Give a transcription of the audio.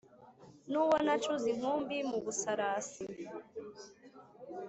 N’uwo nacuze inkumbi mu Busarasi